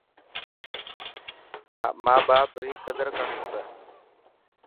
ها باپ ري قدر ڪرڻ کپي.